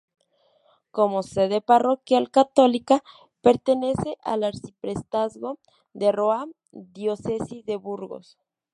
Como sede parroquial católica, pertenece al arciprestazgo de Roa, diócesis de Burgos.